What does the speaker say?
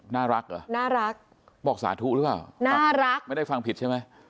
น่ารักเหรอน่ารักบอกสาธุหรือเปล่าน่ารักไม่ได้ฟังผิดใช่ไหม